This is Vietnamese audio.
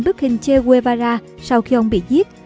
bức hình che guevara sau khi ông bị giết